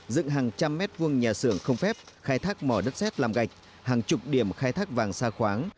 dựng hàng trăm mét vuông nhà xưởng không phép khai thác mỏ đất xét làm gạch hàng chục điểm khai thác vàng xa khoáng